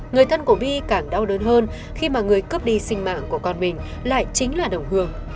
người thân của vi càng đau đớn hơn khi mà người cướp đi sinh mạng của con mình lại chính là đồng hương